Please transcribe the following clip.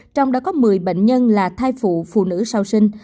trong đó có một mươi bệnh nhân là thai phụ phụ nữ sau sinh